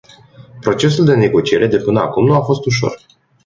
Procesul de negociere de până acum nu a fost ușor.